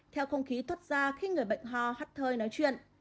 theo không khí thoát ra khi người bệnh ho hắt thơi nói chuyện